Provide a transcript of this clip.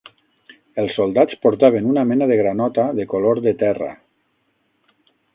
Els soldats portaven una mena de granota de color de terra